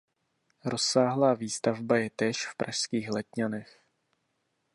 Rozsáhlá výstavba je též v pražských Letňanech.